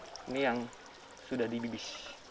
ini yang sudah dibibis